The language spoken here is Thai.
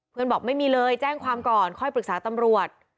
บอกไม่มีเลยแจ้งความก่อนค่อยปรึกษาตำรวจ